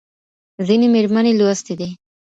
ځینې مېرمنې لوستې دي.